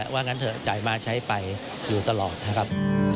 ว่างั้นเถอะจ่ายมาใช้ไปอยู่ตลอดนะครับ